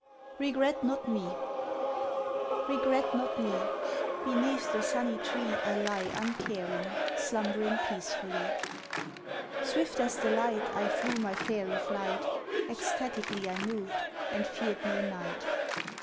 "REGRET NOT ME" REGRET not me; Beneath the sunny tree I lie uncaring, slumbering peacefully. Swift as the light I flew my faery flight; Ecstatically I moved, and feared no night.